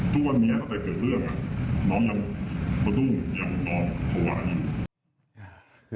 ทุกวันนี้อาจจะเกิดเรื่องน้องคนต้องอย่างนอนเขาหวานอยู่